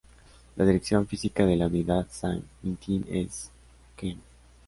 La dirección física de la Unidad San Quintín es "km.